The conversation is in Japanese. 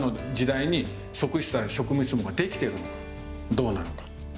どうなのか。